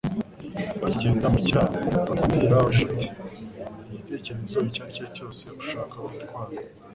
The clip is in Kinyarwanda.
Bakigenda ku kiraro, Gakwandi yarababajije ati: "Igitekerezo icyo ari cyo cyose ushaka gutwara?"